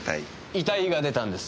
遺体が出たんです